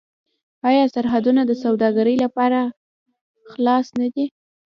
آیا سرحدونه د سوداګرۍ لپاره خلاص نه دي؟